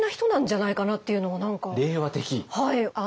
はい。